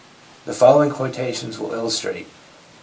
The following quotations will illustrate.